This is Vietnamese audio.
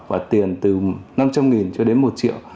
phạt tiền từ năm trăm linh cho đến một triệu